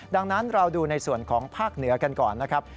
ดังนั้นเราดูในส่วนของภาคเหนือกันก่อนนะครับ